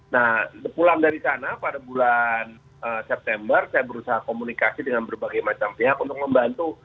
nah pulang dari sana pada bulan september saya berusaha komunikasi dengan berbagai macam pihak untuk membantu